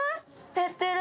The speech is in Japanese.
減ってる。